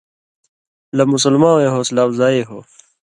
لہ مُسلماں وَیں حوصلہ افزائ ہو۔